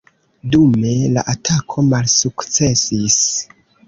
Dume, la atako malsukcesis.